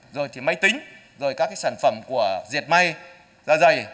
rồi thì máy tính rồi các cái sản phẩm của diệt may da dày